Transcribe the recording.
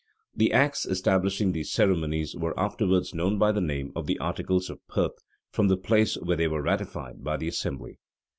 The acts establishing these ceremonies were afterwards known by the name of the Articles of Perth, from the place where they were ratified by the assembly.